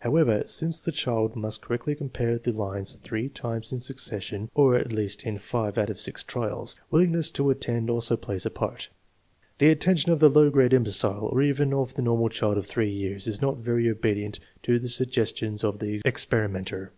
However, since the child must correctly compare the lines three times in succession, or at least in five out of six trials, willingness to attend also plays a part. The attention of the low grade imbecile, or even of the normal child of 3 years, is not very obedient to the suggestions of the experimenter.